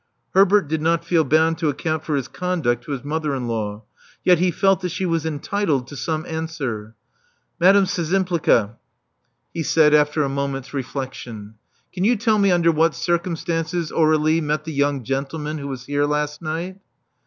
Herbert did not feel bound to account for his con duct to his mother in law: yet he felt that she was entitled to some answer. Madame Szczympliga, " he Love Among the Artists 371 said, after a moment's reflexion: can you tell me under what circumstances Aur^lie met the young gentleman who was here last night?"